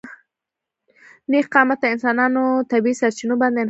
نېغ قامته انسانانو طبیعي سرچینو باندې انحصار درلود.